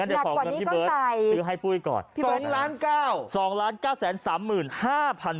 หนักกว่านี้ก็ใส่